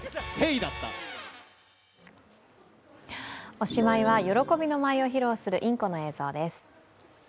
おしまいは喜びの舞を披露するインコの映像です。